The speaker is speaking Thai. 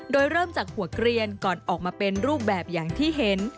โดยเริ่มจากหัวเกลียนก่อนออกมาเป็นรูปแบบอย่างที่เห็น